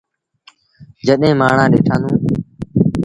جڏهيݩ مآڻهآݩ ڏٽآݩدون۔